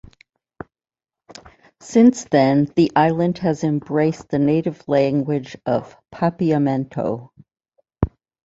Since then, the island has embraced the native language of Papiamento.